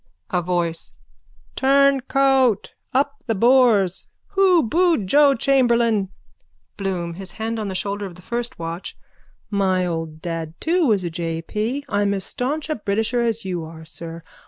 A VOICE: Turncoat! Up the Boers! Who booed Joe Chamberlain? BLOOM: (His hand on the shoulder of the first watch.) My old dad too was a J. P. I'm as staunch a Britisher as you are, sir.